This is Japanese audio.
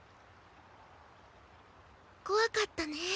怖かったね。